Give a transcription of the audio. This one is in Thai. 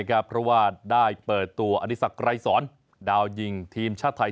เพราะว่าได้เปิดตัวอดีศักดรายสอนดาวยิงทีมชาติไทย